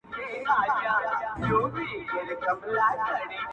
o د يوه زيان د بل تکيه.